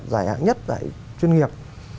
giải hãng nhất giải chuyên nghiệp